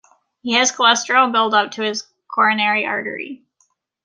He has cholesterol buildup to his coronary artery.